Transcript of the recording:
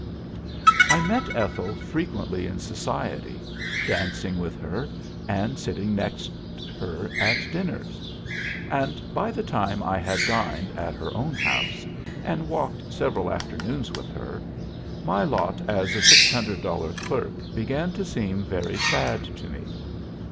"I met Ethel frequently in society, dancing with her, and sitting next her at dinners. And by the time I had dined at her own house, and walked several afternoons with her, my lot as a six hundred dollar clerk began to seem very sad to me.